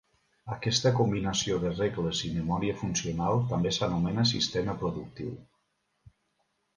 Aquesta combinació de regles i memòria funcional també s'anomena sistema productiu.